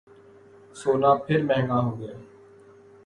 سونا پھر مہنگا ہوگیا